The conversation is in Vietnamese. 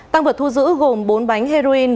tăng vật thu giữ gồm bốn bánh heroin